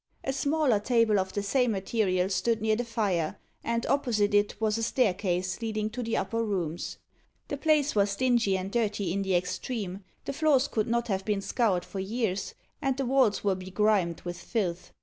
A smaller table of the same material stood near the fire, and opposite it was a staircase leading to the upper rooms. The place was dingy and dirty in the extreme, the floors could not have been scoured for years, and the walls were begrimed with filth.